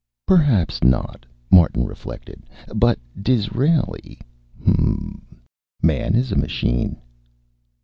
Perhaps not, Martin reflected, but Disraeli hm m. "Man is a machine."